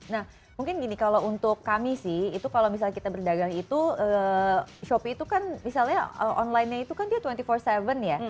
nah mungkin gini kalau untuk kami sih itu kalau misalnya kita berdagang itu shopee itu kan misalnya onlinenya itu kan dia dua puluh empat tujuh ya